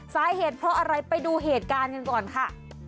สาเหตุเพราะอะไรไปดูเหตุการณ์กันก่อนค่ะ